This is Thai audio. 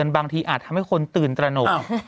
บางทีอาจทำให้คนตื่นตระหนก